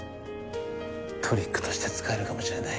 トリックとして使えるかもしれない。